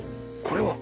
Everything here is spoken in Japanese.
これは？